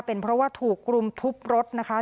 เป็นเพราะว่าถูกรุมทุบรถนะคะ